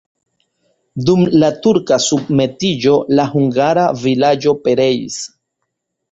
Dum la turka submetiĝo la hungara vilaĝo pereis.